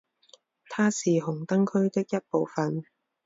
它是红灯区的一部分。